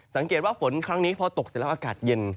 สังเกตว่าฝนครั้งนี้พอตกเสร็จแล้วอากาศเย็น